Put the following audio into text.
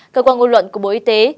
cơ quan ngôn luận của bộ y tế